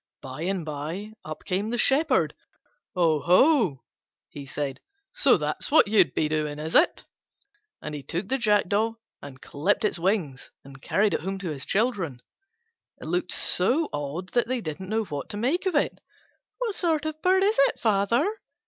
By and by up came the Shepherd. "Oho," he said, "so that's what you'd be doing, is it?" And he took the Jackdaw, and clipped its wings and carried it home to his children. It looked so odd that they didn't know what to make of it. "What sort of bird is it, father?"